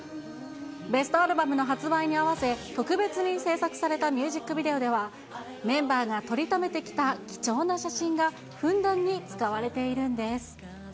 ベストアルバムの発売に合わせ、特別に制作されたミュージックビデオでは、メンバーが撮りためてきた貴重な写真がふんだんに使われているんです。